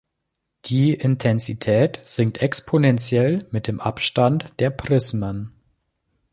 Die Intensität sinkt exponentiell mit dem Abstand der Prismen.